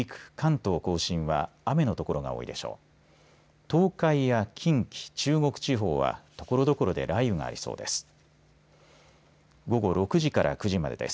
東海や近畿、中国地方はところどころで雷雨がありそうです。